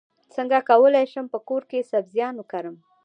څنګه کولی شم په کور کې سبزیان کرم